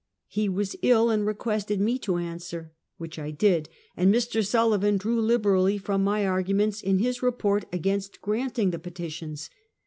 He was ill and requested me to answer, which I did, and Mr. Sullivan drew liberally from my arguments in his report against granting the petitions.